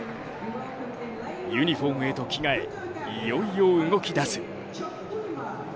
ユニフォームへと着替え、いよいよ動きだす。